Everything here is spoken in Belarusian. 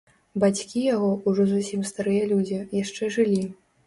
Бацькі яго, ужо зусім старыя людзі, яшчэ жылі.